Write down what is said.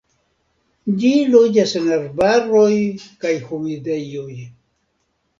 Ĝi loĝas en arbaroj kaj humidejoj.